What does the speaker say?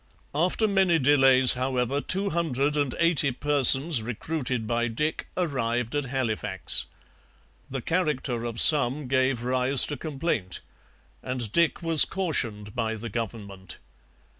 After many delays, however, two hundred and eighty persons recruited by Dick arrived at Halifax. The character of some gave rise to complaint, and Dick was cautioned by the government.